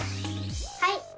はい！